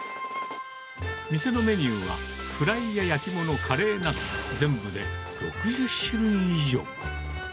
店のメニューは、フライや焼き物、カレーなど、全部で６０種類以上。